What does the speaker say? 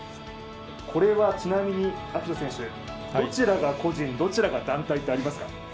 これはちなみに暁斗選手、どちらが個人、どちらが団体ってありますか？